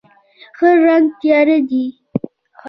خړ رنګ تیاره دی.